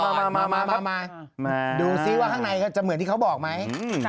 อ๋อเหรอฮะมาแล้วอุปกรณ์มาครับดูสิว่าข้างในจะเหมือนที่เขาบอกไหม